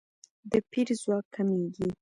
د پیر ځواک کمیږي.